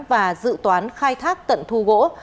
và dự toán khai thác tận thu gỗ